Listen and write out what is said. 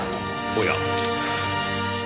おや。